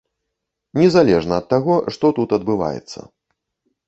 Незалежна ад таго, што тут адбываецца.